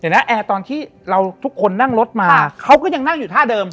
แอร์ตอนที่เราทุกคนนั่งรถมาเขาก็ยังนั่งอยู่ท่าเดิม